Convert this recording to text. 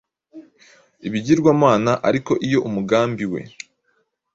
Ibigirwamana ariko iyo umugambi we